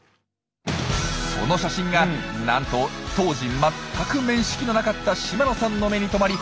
その写真がなんと当時全く面識のなかった島野さんの目に留まり